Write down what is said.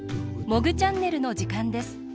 「モグチャンネル」のじかんです。